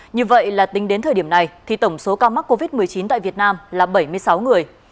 như vậy là tính đến thời điểm này thì tổng số ca mắc covid một mươi chín tại việt nam là bảy mươi sáu người